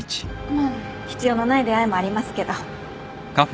まあ必要のない出会いもありますけど。